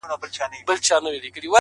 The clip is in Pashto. زما د زړه په هغه شين اسمان كي ـ